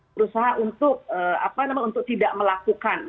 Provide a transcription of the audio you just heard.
berusaha untuk tidak melakukan